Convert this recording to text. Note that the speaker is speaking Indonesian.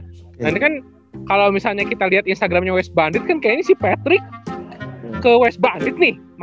tapi ini gua mungkin gua bisa nanya ke edwin juga kan deket sama rivaldo sama patrick juga satu komplotan gitu ya